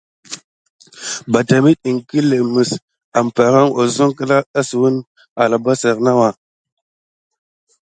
Batam iŋkle mis ɗeɗa nane ogluhana na arabasare sitiki feranda a dosohi.